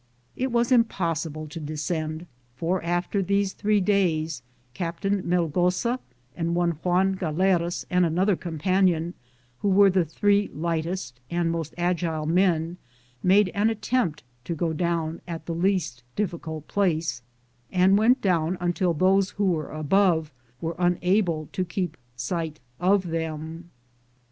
It was impossible to descend, for after these three days Captain Velgosa and one Juan Galeras and another 'companion, who were the three lightest and most agile men, made an attempt to go down *t the least difficult place, and went down «ntil those who were above were unable to keep eight of them.